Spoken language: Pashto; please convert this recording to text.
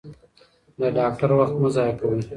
د ډاکټر وخت مه ضایع کوئ.